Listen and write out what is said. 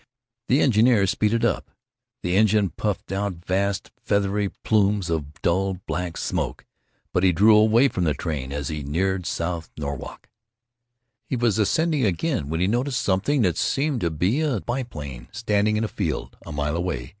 The engineer speeded up; the engine puffed out vast feathery plumes of dull black smoke. But he drew away from the train as he neared South Norwalk. He was ascending again when he noted something that seemed to be a biplane standing in a field a mile away.